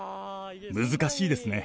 難しいですね。